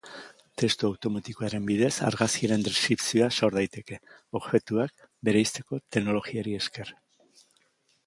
Testu automatikoaren bidez, argazkiaren deskripzioa sor daiteke, objektuak bereizteko teknologiari esker.